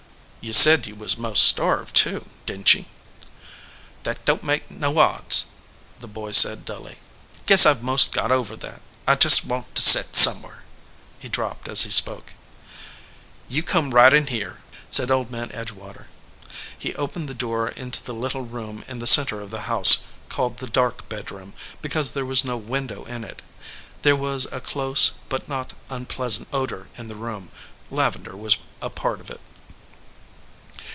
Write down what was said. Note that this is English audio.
"You said ye was most starved, too, didn t ye?" "That don t make no odds," the boy said, dully. "Guess I ve most got over that. I jest want to set somewhere." He dropped as he spoke. "You come right in here," said Old Man Edge water. He opened the door into the little room THE FLOWERING BUSH in the center of the house called the "dark bed room," because there was no window in it. There was a close but not unpleasant odor in the room; lavender was a part of it.